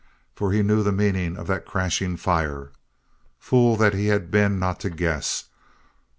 For he knew the meaning of that crashing fire. Fool that he had been not to guess.